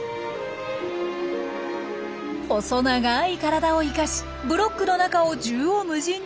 細長い体を生かしブロックの中を縦横無尽に移動するイタチ。